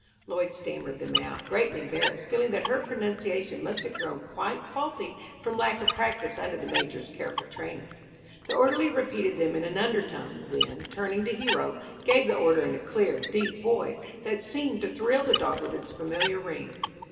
Lloyd stammered them out, greatly embarrassed, feeling that her pronunciation must have grown quite faulty from lack of practice under the Major's careful training. The orderly repeated them in an undertone, then, turning to Hero, gave the order in a clear, deep voice, that seemed to thrill the dog with its familiar ring.